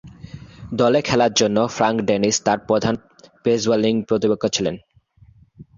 দলে খেলার জন্য ফ্রাঙ্ক ডেনিস তার প্রধান পেস বোলিং প্রতিপক্ষ ছিলেন।